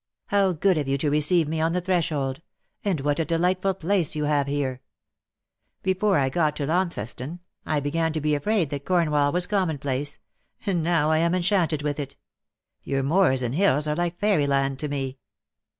'^ How good of you to receive me on the threshold ! and what a delightful place you have here ! Before I got to Launceston, I began to be afraid that Cornwall was commonplace — and now I am enchanted with it. Your moors and hills are like fairy land to me